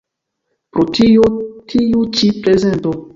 Pro tio tiu ĉi prezento.